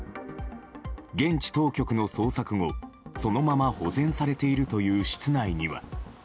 現地当局の捜索後そのまま保全されているという室内には。